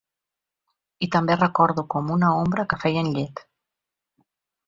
I també recordo, com una ombra, que feien llet.